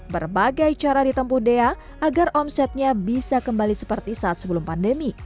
berbagai cara ditempuh dea agar omsetnya bisa kembali seperti saat sebelum pandemi